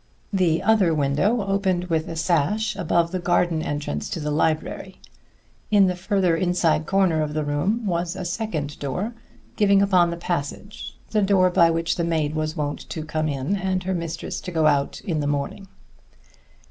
The other window opened with a sash above the garden entrance to the library. In the further inside corner of the room was a second door giving upon the passage; the door by which the maid was wont to come in, and her mistress to go out, in the morning.